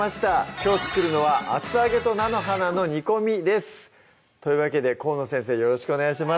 きょう作るのは「厚揚げと菜の花の煮込み」ですというわけで河野先生よろしくお願いします